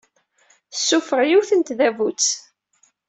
Tessuffeɣ yiwet n tdabut.